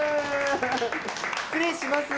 失礼します。